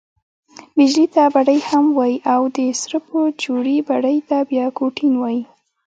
بیجلي ته بډۍ هم وايي او، د سرپو جوړي بډۍ ته بیا کوټین وايي.